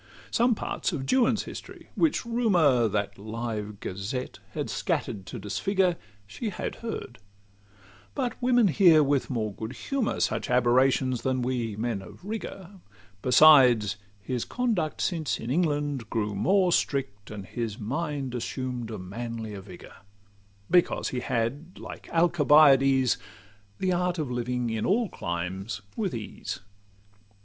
Some parts of Juan's history, which Rumour, That live gazette, had scatter'd to disfigure, She had heard; but women hear with more good humour Such aberrations than we men of rigour: Besides, his conduct, since in England, grew more Strict, and his mind assumed a manlier vigour; Because he had, like Alcibiades, The art of living in all climes with ease.